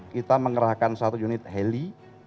kita mengerahkan satu unit heli